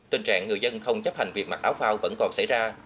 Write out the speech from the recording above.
tình trạng người dân không chấp hành việc mặc áo phao vẫn còn xảy ra